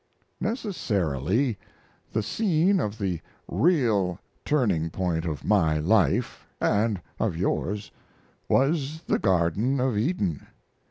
Necessarily the scene of the real turning point of my life (and of yours) was the Garden of Eden.